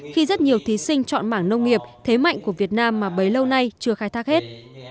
khi rất nhiều thí sinh chọn mảng nông nghiệp thế mạnh của việt nam mà bấy lâu nay chưa khai thác hết